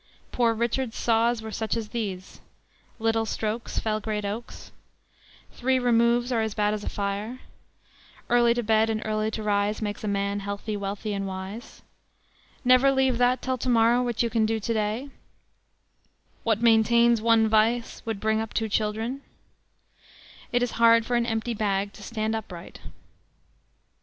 Poor Richard's saws were such as these: "Little strokes fell great oaks;" "Three removes are as bad as a fire;" "Early to bed and early to rise makes a man healthy, wealthy, and wise;" "Never leave that till to morrow which you can do to day;" "What maintains one vice would bring up two children;" "It is hard for an empty bag to stand upright."